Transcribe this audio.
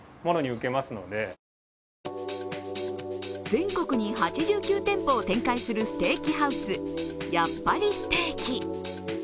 全国に８９店舗を展開するステーキハウス、やっぱりステーキ。